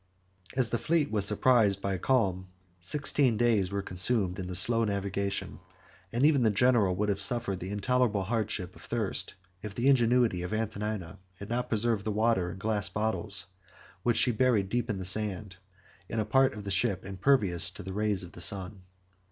As the fleet was surprised by a calm, sixteen days were consumed in the slow navigation; and even the general would have suffered the intolerable hardship of thirst, if the ingenuity of Antonina had not preserved the water in glass bottles, which she buried deep in the sand in a part of the ship impervious to the rays of the sun.